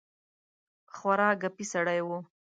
خورا ګپي سړی وو.